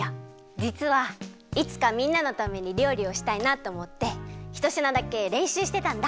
じつはいつかみんなのためにりょうりをしたいなっておもってひとしなだけれんしゅうしてたんだ。